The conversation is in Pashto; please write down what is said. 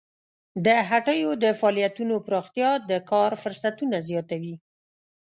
د هټیو د فعالیتونو پراختیا د کار فرصتونه زیاتوي.